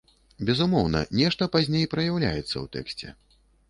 Безумоўна, нешта пазней праяўляецца ў тэксце.